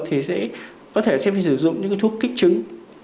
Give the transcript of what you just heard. thì sẽ có thể sẽ phải sử dụng những cái thuốc kích trứng